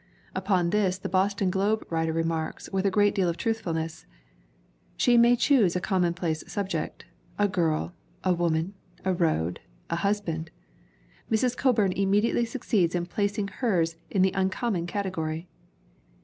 Upon this the Boston Globe writer remarks, with a great deal of truthfulness: "She may choose a commonplace subject a girl, a woman, a road, a husband. ... Mrs. Coburn im mediately succeeds in placing hers in the uncommon category.